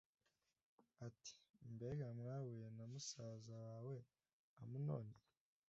ati “Mbega wahuye na musaza wawe Amunoni?